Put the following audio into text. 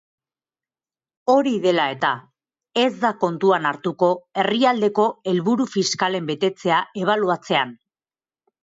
Hori dela eta, ez da kontuan hartuko herrialdeko helburu fiskalen betetzea ebaluatzean.